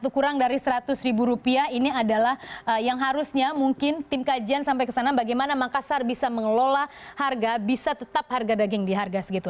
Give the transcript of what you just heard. kurang dari seratus ribu rupiah ini adalah yang harusnya mungkin tim kajian sampai ke sana bagaimana makassar bisa mengelola harga bisa tetap harga daging di harga segitu